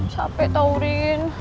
capek tau rin